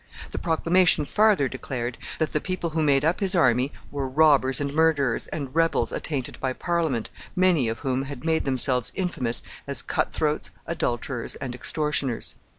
The proclamation farther declared that the people who made up his army were robbers and murderers, and rebels attainted by Parliament, many of whom had made themselves infamous as cutthroats, adulterers, and extortioners."